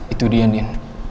itu dia din